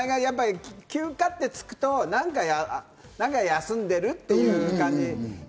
休暇ってつくとなんか休んでるっていう感じ。